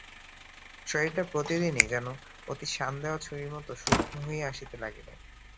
শরীরটা প্রতিদিনই যেন অতি-শান-দেওয়া ছুরির মতো সূক্ষ্ণ হইয়া আসিতে লাগিল।